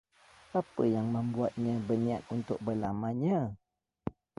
Apa yang membuatnya berniat untuk melamarnya?